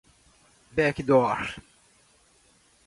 backdoor